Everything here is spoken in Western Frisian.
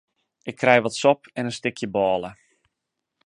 Ik krij wat sop en in stikje bôle.